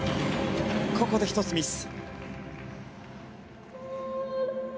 ここで１つミス。